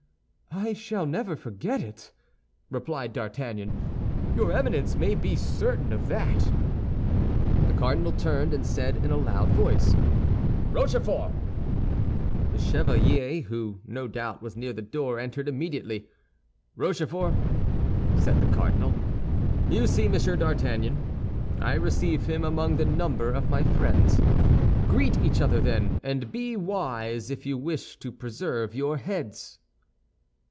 "I shall never forget it," replied D'Artagnan. "Your Eminence may be certain of that." The cardinal turned and said in a loud voice, "Rochefort!" The chevalier, who no doubt was near the door, entered immediately. "Rochefort," said the cardinal, "you see Monsieur d'Artagnan. I receive him among the number of my friends. Greet each other, then; and be wise if you wish to preserve your heads."